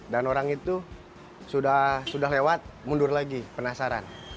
dan orang itu sudah lewat mundur lagi penasaran